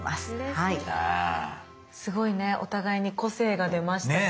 すごいねお互いに個性が出ましたし。